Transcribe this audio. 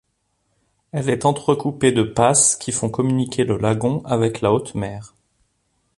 Elle est entrecoupée de passes qui font communiquer le lagon avec la haute mer.